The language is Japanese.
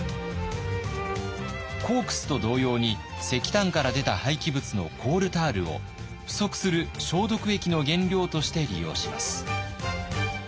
コークスと同様に石炭から出た廃棄物のコールタールを不足する消毒液の原料として利用します。